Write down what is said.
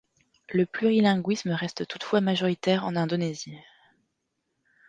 Le plurilinguisme reste toutefois majoritaire en Indonésie.